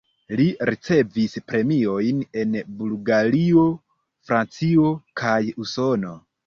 Li ricevis premiojn en Bulgario, Francio kaj Usono.